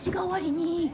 代わりに。